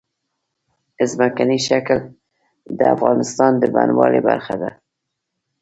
ځمکنی شکل د افغانستان د بڼوالۍ برخه ده.